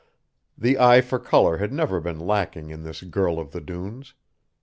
The eye for color had never been lacking in this girl of the dunes.